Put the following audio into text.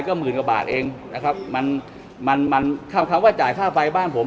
ก็หมื่นกว่าบาทเองนะครับมันมันคำว่าจ่ายค่าไฟบ้านผม